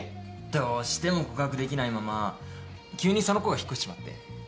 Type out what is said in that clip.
どうしても告白できないまま急にその子が引っ越しちまって。